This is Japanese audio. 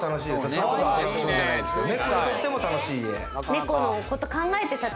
それこそアトラクションじゃないけれど、猫にとっても楽しい家。